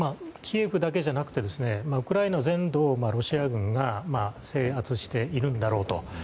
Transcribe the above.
キエフだけじゃなくてウクライナ全土をロシア軍が制圧しているんだろうと。